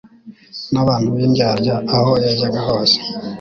n'abantu b'indyarya. Aho yajyaga hose,